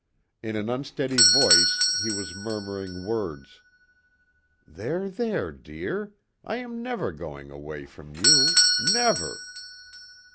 In an unsteady voice he was murmuring words: "There, there, dear. I am never going away from you never."